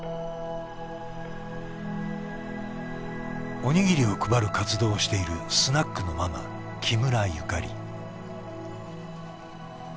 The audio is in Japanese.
お握りを配る活動をしているスナックのママ木村ゆかり。